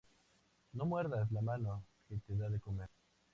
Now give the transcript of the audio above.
No muerdas la mano que te da de comer